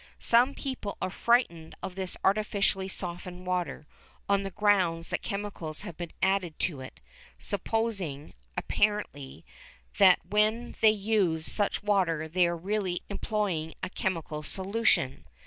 Some people are frightened of this artificially softened water, on the ground that chemicals have been added to it, supposing, apparently, that when they use such water they are really employing a chemical solution.